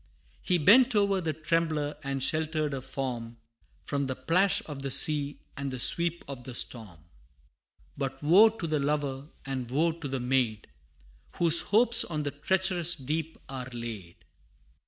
He bent o'er the trembler, and sheltered her form, From the plash of the sea, and the sweep of the storm; But woe to the lover, and woe to the maid, Whose hopes on the treacherous deep are laid!